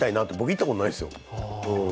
行ったことないんですよ。